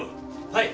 はい。